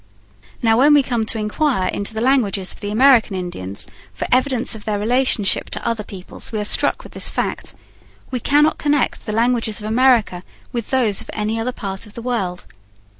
Now when we come to inquire into the languages of the American Indians for evidence of their relationship to other peoples we are struck with this fact: we cannot connect the languages of America with those of any other part of the world.